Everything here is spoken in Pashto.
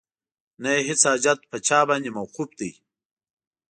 نه یې هیڅ حاجت په چا باندې موقوف دی